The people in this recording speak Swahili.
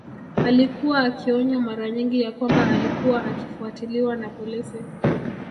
Alikuwa akionywa maranyingi ya kwamba alikuwa akifuatiliwa na polisi